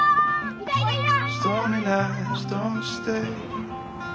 いたいたいた！